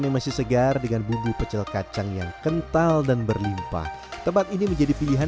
masih segar dengan bubu pecel kacang yang kental dan berlimpah tempat ini menjadi pilihan